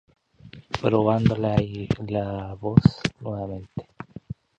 Upon the end of Lebanon's Civil War, Hariri became Lebanon's Prime Minister.